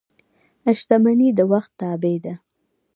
• شتمني د وخت تابع ده.